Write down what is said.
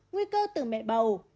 nguy cơ từ mẹ bầu